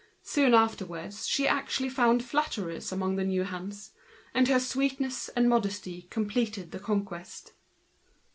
Soon after, she even found flatterers amongst the new hands; and her sweetness and modesty finished the conquest.